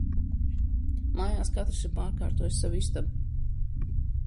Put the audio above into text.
Mājās katrs ir pārkārtojis savu istabu.